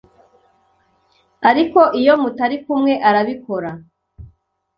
ariko iyo mutari kumwe arabikora